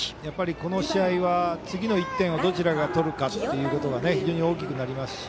この試合は次の１点をどちらが取るかということが非常に大きくなりますし